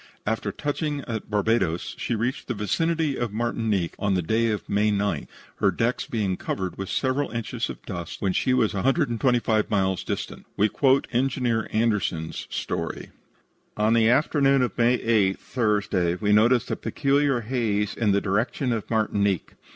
After touching at Barbados, she reached the vicinity of Martinique on May 9th, her decks being covered with several inches of dust when she was a hundred and twenty five miles distant. We quote engineer Anderson's story: "On the afternoon of May 8 (Thursday) we noticed a peculiar haze in the direction of Martinique.